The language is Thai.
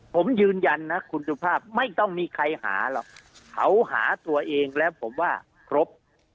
ผมยืนยันนะคุณสุภาพไม่ต้องมีใครหาหรอกเขาหาตัวเองแล้วผมว่าครบ